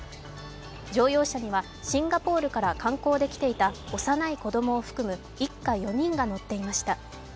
乗用車にはシンガポールから観光で来ていた幼い子供を含む一家４人が乗っていました。